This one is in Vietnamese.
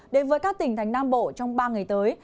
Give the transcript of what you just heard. đến với các tỉnh thành nam bộ trong ba ngày tới